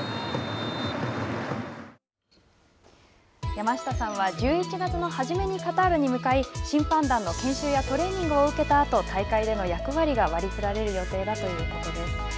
山下さんは１１月の初めにカタールに向かい審判団の研修やトレーニングを受けたあと大会での役割が割り振られる予定だということです。